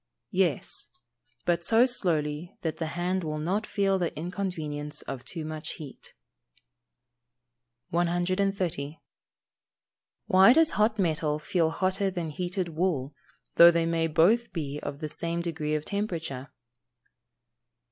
_ Yes. But so slowly that the hand will not feel the inconvenience of too much heat. 130. _Why does hot metal feel hotter than heated wool, though they may both be of the same degree of temperature?